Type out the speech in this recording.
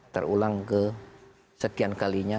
terulang ke sekian kalinya